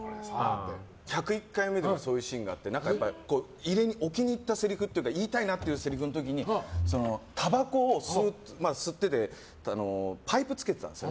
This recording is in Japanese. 「１０１回目」でもそういうシーンがあって置きにいったセリフというか言いたいなというせりふの時にたばこを吸っててパイプ付けてたんです。